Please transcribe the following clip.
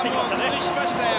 崩しましたよ。